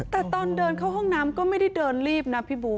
แต่ตอนเดินเข้าห้องน้ำก็ไม่ได้เดินรีบนะพี่บุ๊